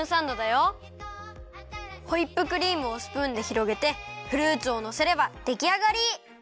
ホイップクリームをスプーンでひろげてフルーツをのせればできあがり！